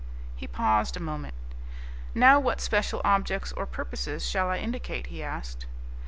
He paused a moment. "Now what special objects or purposes shall I indicate?" he asked.